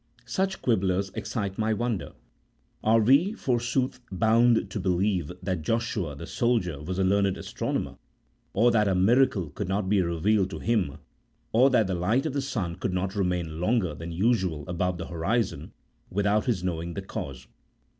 Such quibblers excite my wonder ! Are we, forsooth, bound to believe that Joshua the soldier was a learned astronomer ? or that a miracle could not be re vealed to him, or that the light of the sun could not remain longer than usual above the horizon, without his knowing the cause